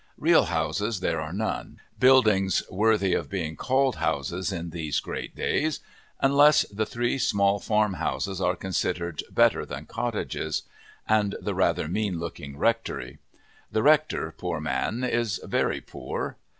Real houses there are none buildings worthy of being called houses in these great days unless the three small farm houses are considered better than cottages, and the rather mean looking rectory the rector, poor man, is very poor.